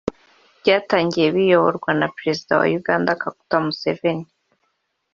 byatangiye biyoborwa na Perezida wa Uganda Kaguta Museveni